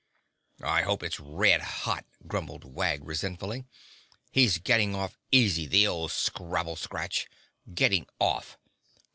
"I hope it's red hot," grumbled Wag resentfully. "He's getting off easy, the old scrabble scratch! Getting off!